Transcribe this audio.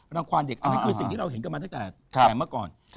ความเด็กอันนั้นคือสิ่งที่เราเห็นกันมาตั้งแต่เมื่อก่อน